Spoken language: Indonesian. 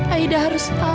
aida harus berjaga jaga